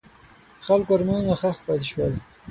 د خلکو ارمانونه ښخ پاتې شول.